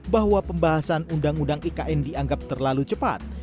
bahwa pembahasan undang undang ikn dianggap terlalu cepat